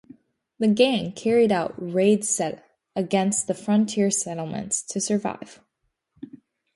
The gang carried out raids against frontier settlements to survive.